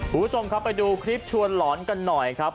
คุณผู้ชมครับไปดูคลิปชวนหลอนกันหน่อยครับ